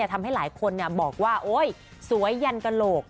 ทำให้หลายคนบอกว่าโอ๊ยสวยยันกระโหลก